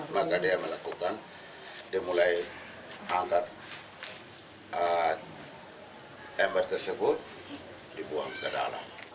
maka dia melakukan dia mulai angkat ember tersebut dibuang ke dalam